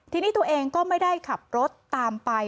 ทีนี้ตัวเองก็ไม่ได้ขับรถตามไป